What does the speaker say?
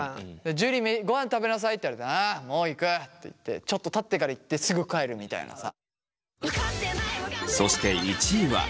「樹ごはん食べなさい」って言われて「ああもう行く」って言ってちょっとたってから行ってすぐ帰るみたいなさ。